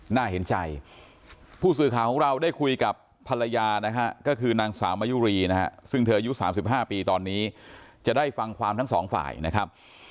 น่าเห็นใจผู้สื่อข่าวของเราได้คุยกับภรรยานะฮะก็คือนางสาวมะยุรีนะฮะซึ่งเธออายุ๓๕ปีตอนนี้จะได้ฟังความทั้งสองฝ่ายนะครับ